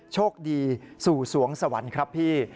โชคดีสู่สวงสวรรค์ครับพี่